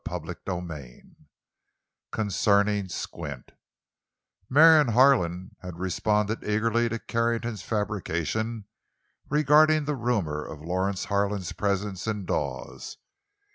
CHAPTER VIII—CONCERNING "SQUINT" Marion Harlan had responded eagerly to Carrington's fabrication regarding the rumor of Lawrence Harlan's presence in Dawes.